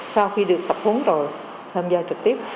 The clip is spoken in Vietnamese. sau khi được tập huấn rồi tham gia trực tiếp